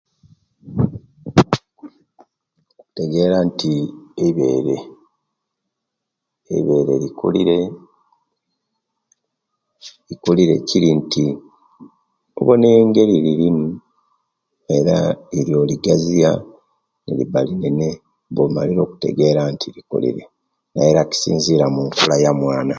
Kutegera nti eibere eiberer likulire likulire kiri nti obona engeri eiririmu era iriyo ligaziya liba linene oba omalire okutegera nti likulire era kisinzira kunkula yomwana